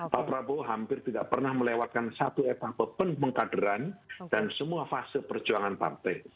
pak prabowo hampir tidak pernah melewatkan satu etape pemengkaderan dan semua fase perjuangan partai